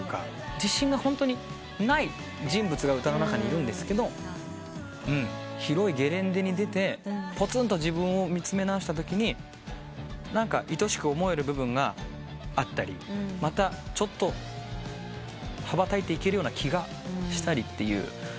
自信がホントにない人物が歌の中にいるんですけど広いゲレンデに出てぽつんと自分を見つめ直したときに何かいとしく思える部分があったりまたちょっと羽ばたいていけるような気がしたりっていう。